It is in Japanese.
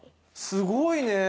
すごいね。